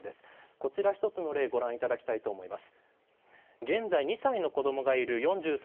こちら１つの例をご覧いただきたいと思います。